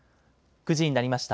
９時になりました。